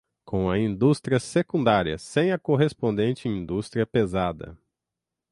com indústria secundária sem a correspondente indústria pesada